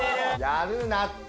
やるなって！